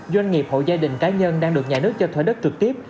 doanh nghiệp hộ gia đình cá nhân đang được nhà nước cho thuê đất trực tiếp